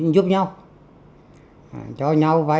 năm cuối năm hai nghìn một mươi năm